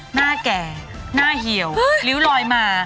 หน้าแก่หน้าเหี่ยวริ้วลอยมา